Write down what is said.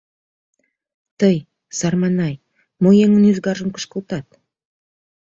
— Тый, сарманай, мо еҥын ӱзгаржым кышкылтат?